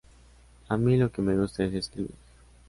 A mí lo que me gusta es escribir.